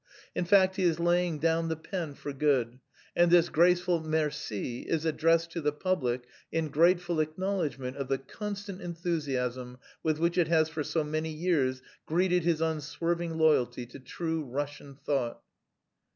In fact he is laying down the pen for good, and this graceful Merci is addressed to the public in grateful acknowledgment of the constant enthusiasm with which it has for so many years greeted his unswerving loyalty to true Russian thought."